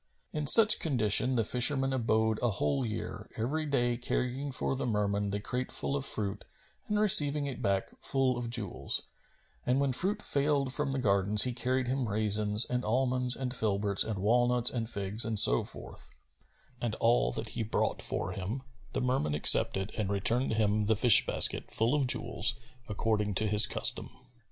In such condition the fisherman abode a whole year, every day carrying for the Merman the crate full of fruit and receiving it back, full of jewels; and when fruit failed from the gardens, he carried him raisins and almonds and filberts and walnuts and figs and so forth; and all that he brought for him the Merman accepted and returned him the fish basket full of jewels according to his custom.